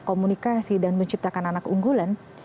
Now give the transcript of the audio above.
komunikasi dan menciptakan anak unggulan